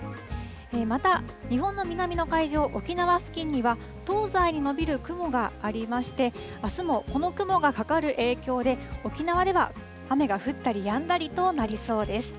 また、日本の南の海上、沖縄付近には、東西に延びる雲がありまして、あすもこの雲がかかる影響で、沖縄では雨が降ったりやんだりとなりそうです。